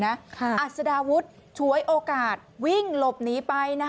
อัศดาวุฒิฉวยโอกาสวิ่งหลบหนีไป